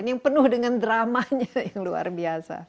yang penuh dengan dramanya yang luar biasa